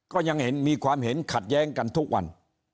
ก็ยังเห็นมีความเห็นขัดแย้งกันทุกวัน